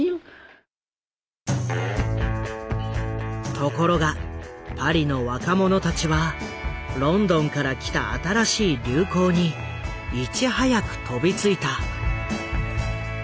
ところがパリの若者たちはロンドンから来た新しい流行にいち早く飛びついた。